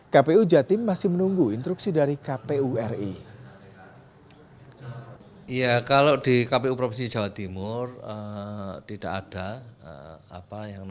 kpu jatim masih menanggung